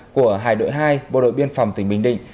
của hải đội hai bộ đội biên phòng tỉnh bình định